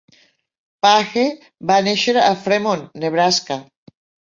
Page va néixer a Fremont, Nebraska.